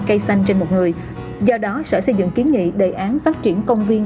cây xanh trên một người do đó sở xây dựng kiến nghị đề án phát triển công viên